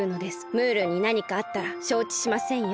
ムールになにかあったらしょうちしませんよ。